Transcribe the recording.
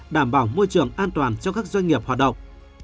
đảm bảo môi trường an toàn cho các doanh nghiệp hoạt động